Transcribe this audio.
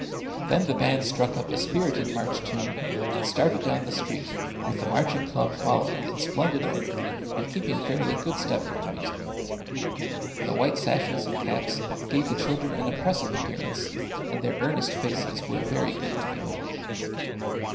Then the band struck up a spirited march tune and started down the street with the Marching Club following in splendid order and keeping fairly good step with the music. The white sashes and caps gave the children an impressive appearance and their earnest faces were very good to behold.